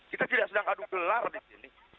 kita tidak sedang adu gelar di sini